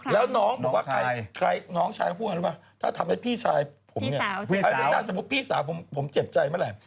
แล้วน้องบอกว่าน้องชายพูดมั้ยเหรอเปล่า